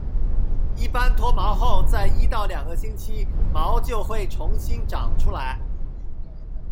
一般脱毛后在一到两个星期毛就回重新长出来。